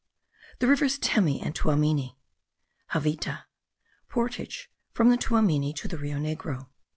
THE RIVERS TEMI AND TUAMINI. JAVITA. PORTAGE FROM THE TUAMINI TO THE RIO NEGRO.